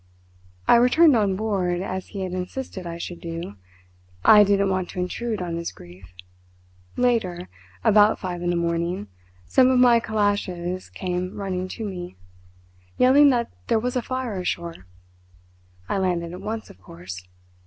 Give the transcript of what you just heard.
"I returned on board as he had insisted I should do. I didn't want to intrude on his grief. Later, about five in the morning, some of my calashes came running to me, yelling that there was a fire ashore. I landed at once, of course.